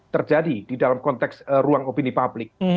terjadi di dalam konteks ruang opini publik